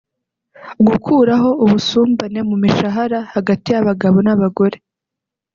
gukuraho ubusumbane mu mishahara hagati y’abagabo n’abagore